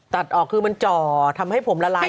ตัดออกคือมันจ่อทำให้ผมละลาย